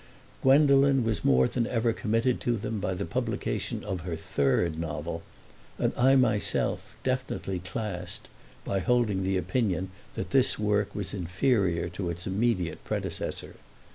Gwendolen was more than ever committed to them by the publication of her third novel, and I myself definitely classed by holding the opinion that this work was inferior to its immediate predecessor.